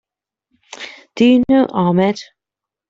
Do you know Ahmed?